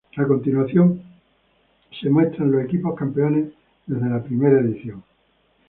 A continuación se muestran los equipos campeones desde la primera edición.